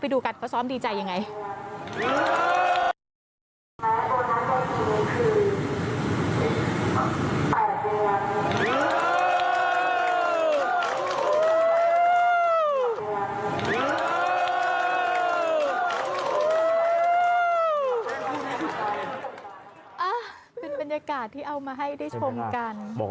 ทุกคนอิจฉากันหมดเลย